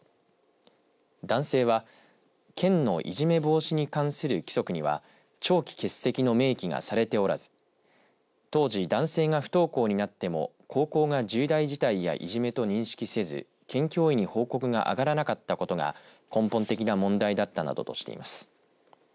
男性は県のいじめ防止に関する規則には長期欠席の明記がされておらず当時、男性が不登校になっても高校が重大事態やいじめと認識せず県教委に報告が上がらなかったことが根本的な問題だったなどとしています。